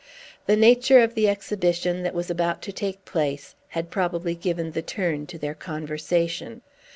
The nature of the exhibition that was about to take place had probably given the turn to their conversation.